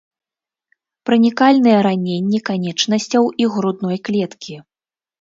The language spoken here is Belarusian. Пранікальныя раненні канечнасцяў і грудной клеткі.